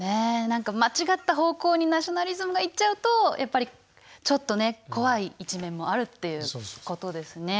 何か間違った方向にナショナリズムがいっちゃうとやっぱりちょっとね怖い一面もあるっていうことですね。